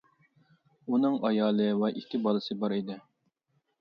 ئۇنىڭ ئايالى ۋە ئىككى بالىسى بار ئىدى.